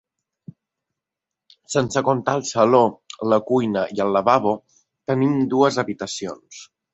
Sense comptar el saló, la cuina i el lavabo, tenim dues habitacions.